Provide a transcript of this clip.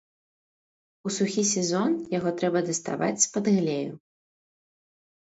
У сухі сезон яго трэба даставаць з-пад глею.